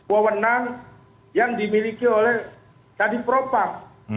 wawenang yang dimiliki oleh kadipropam